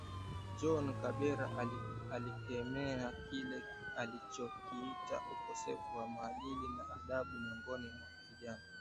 John Kabera alikemea kile alichokiita ukosefu wa maadili na adabu miongoni mwa vijana